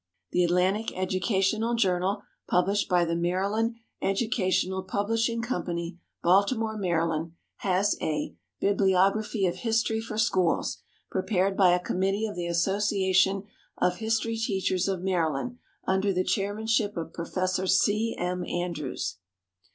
"The Atlantic Educational Journal," published by the Maryland Educational Publishing Company, Baltimore, Md., has a "Bibliography of History for Schools," prepared by a committee of the Association of History Teachers of Maryland under the chairmanship of Professor C. M. Andrews.